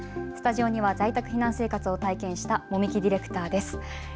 スタジオには在宅避難生活を体験した籾木ディレクターです。